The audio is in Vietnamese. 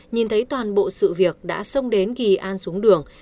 nhìn thấy toàn bộ sự việc đã xông đến kỳ an xuống đường